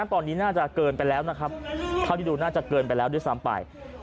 ตอนนี้น่าจะเกินไปแล้วนะครับเท่าที่ดูน่าจะเกินไปแล้วด้วยซ้ำไป